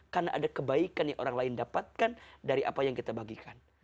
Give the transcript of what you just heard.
karena ada kebaikan yang orang lain dapatkan dari apa yang kita bagikan